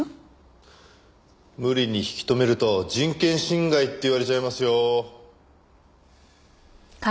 無理に引き留めると人権侵害って言われちゃいますよ。